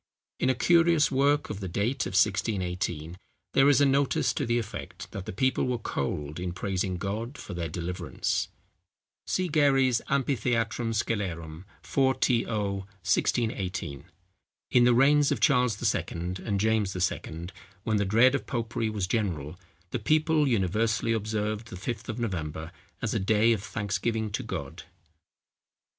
In a curious work of the date of 1618, there is a notice to the effect that the people were cold in praising God for their deliverance. See GAREY'S Amphitheatrum Scelerum. 4to. 1618. In the reigns of Charles II. and James II., when the dread of popery was general, the people universally observed the Fifth of November as a day of thanksgiving to God.